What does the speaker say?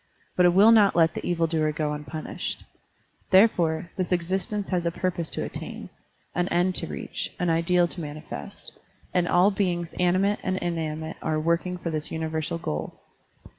But it will not let the evil doer go unpunished. Therefore, this existence has a purpose to attain, an end to reach, an ideal to manifest; and all beings animate and inanimate are working for this universal goal.